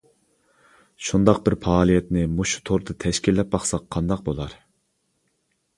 شۇنداق بىر پائالىيەتنى مۇشۇ توردا تەشكىللەپ باقساق قانداق بولار؟ !